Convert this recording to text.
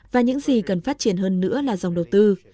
và những gì cần phát triển hơn nữa là dòng đầu tư